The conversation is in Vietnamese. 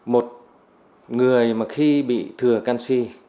một người mà khi bị thừa canxi